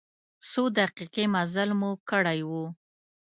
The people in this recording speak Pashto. څو دقیقې مزل مو کړی و.